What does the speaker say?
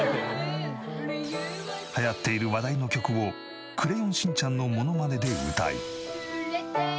流行っている話題の曲をクレヨンしんちゃんのモノマネで歌い。